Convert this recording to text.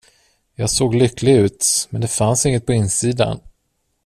Jag såg lycklig ut, men det fanns inget på insidan.